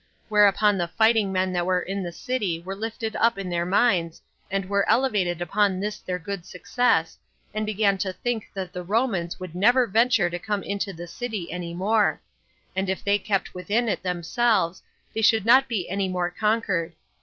Whereupon the fighting men that were in the city were lifted up in their minds, and were elevated upon this their good success, and began to think that the Romans would never venture to come into the city any more; and that if they kept within it themselves, they should not be any more conquered.